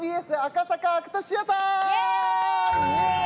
イエーイ！